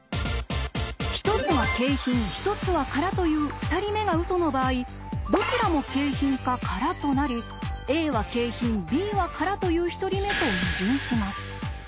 １つは景品１つは空という２人目がウソの場合「どちらも景品」か「空」となり「Ａは景品Ｂは空」という１人目と矛盾します。